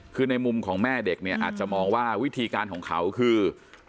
คือในมุมของแม่เด็กเนี่ยอาจจะมองว่าวิธีการของเขาคือ